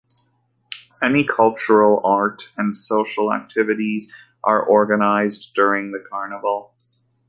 Many cultural, art, and social activities are organised during the carnival.